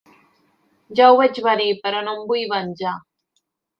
Ja ho veig venir, però jo em vull venjar.